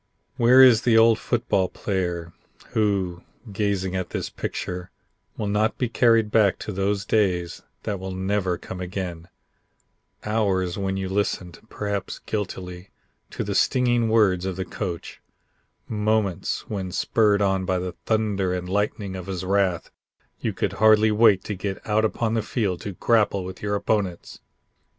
Where is the old football player, who, gazing at this picture, will not be carried back to those days that will never come again; hours when you listened perhaps guiltily to the stinging words of the coach; moments when spurred on by the thunder and lightning of his wrath you could hardly wait to get out upon the field to grapple with your opponents.